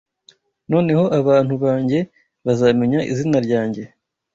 Noneho abantu banjye bazamenya izina ryanjye